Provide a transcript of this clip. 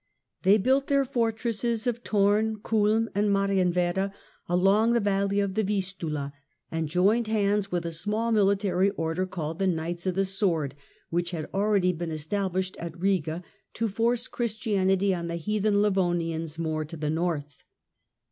They built their fortresses of Thorn, Kulm and Marien werder along the valley of the Vistula, and joined hands with a small military order, called the Knights of the Sword, which had already been established at Eiga to force Christianity on the heathen Livonians more to the North.